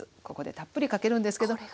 ここでたっぷりかけるんですけど。